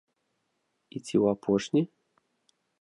І ці ў апошні?